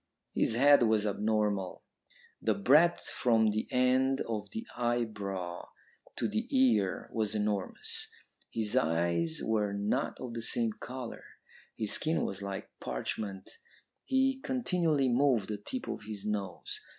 His head was abnormal. The breadth from the end of the eyebrow to the ear was enormous. His eyes were not of the same colour; his skin was like parchment; he continually moved the tip of his nose.